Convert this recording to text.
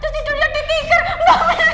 terus tidur dia di tigar